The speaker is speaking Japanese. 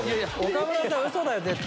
岡村さんウソだよ絶対。